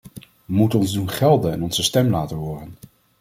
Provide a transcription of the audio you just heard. We moeten ons doen gelden en onze stem laten horen.